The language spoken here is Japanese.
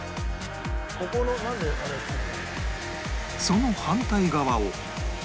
その反対側を